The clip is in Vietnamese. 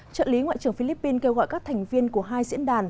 trợ lý ngoại trưởng philippines kêu gọi các thành viên của hai diễn đàn